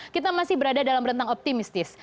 kita masih berada dalam rentang optimistis